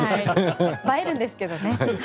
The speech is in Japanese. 映えるんですけどね。